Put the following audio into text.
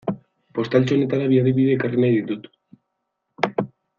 Postaltxo honetara bi adibide ekarri nahi ditut.